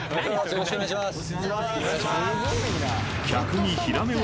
よろしくお願いします